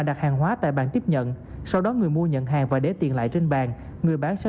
đặt hàng hóa tại bàn tiếp nhận sau đó người mua nhận hàng và để tiền lại trên bàn người bán sẽ